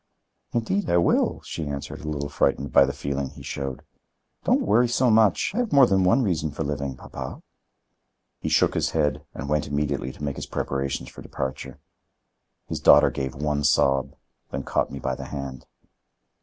"Indeed, I will," she answered, a little frightened by the feeling he showed. "Don't worry so much. I have more than one reason for living, papa." He shook his head and went immediately to make his preparations for departure. His daughter gave one sob, then caught me by the hand.